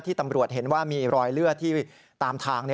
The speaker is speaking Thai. ตำรวจเห็นว่ามีรอยเลือดที่ตามทาง